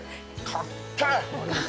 かっけぇ！